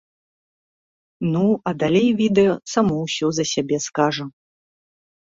Ну, а далей відэа само ўсё за сябе скажа.